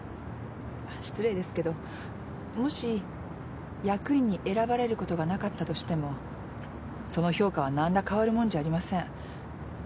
あっ失礼ですけどもし役員に選ばれることがなかったとしてもその評価は何ら変わるもんじゃありません。